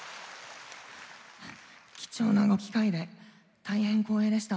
貴重な機会で大変、光栄でした。